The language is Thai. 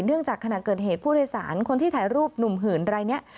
จากขณะเกิดเหตุผู้โดยสารคนที่ถ่ายรูปหนุ่มหื่นรายนี้